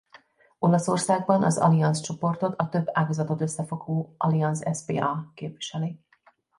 Olaszországban az Allianz Csoportot a több ágazatot összefogó Allianz SpA képviseli.